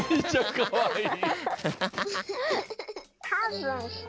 かわいい。